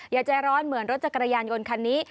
อย่าใจร้อนเหมือนรถจักรยานยนต์คันนี้